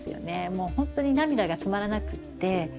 もうほんとに涙が止まらなくって。